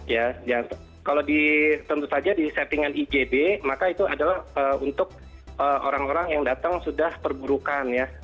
ya kalau di tentu saja di settingan ijb maka itu adalah untuk orang orang yang datang sudah perburukan ya